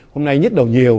hôm nay nhức đầu nhiều